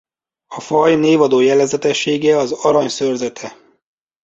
A faj névadó jellegzetessége az arany szőrzete.